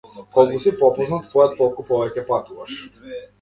Колку си попознат поет толку повеќе патуваш.